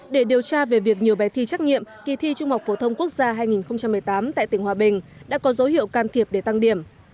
để điều tra về việc nhiều bài thi trắc nghiệm kỳ thi trung học phổ thông quốc gia hai nghìn một mươi tám tại tỉnh hòa bình đã có dấu hiệu can thiệp để tăng điểm